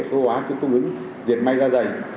số hóa cho cung ứng diệt may da dày